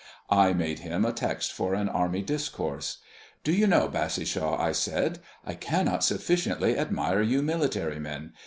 I made him a text for an army discourse. "Do you know, Bassishaw," I said, "I cannot sufficiently admire you military men.